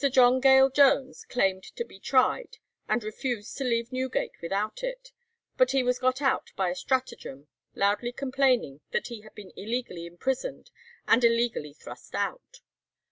John Gale Jones claimed to be tried, and refused to leave Newgate without it; but he was got out by a stratagem, loudly complaining that he had been illegally imprisoned, and illegally thrust out.